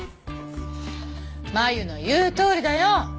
麻友の言うとおりだよ。